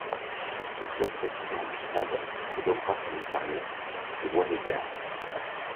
Le club résident du stade est l'Obras Sanitarias de Buenos Aires.